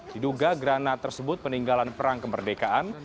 diduga granat tersebut peninggalan perang kemerdekaan